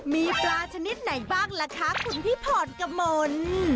มีปลาชนิดไหนบ้างล่ะคะคุณพี่พรกมล